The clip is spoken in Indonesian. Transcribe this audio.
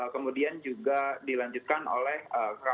kemudian juga dilanjutkan oleh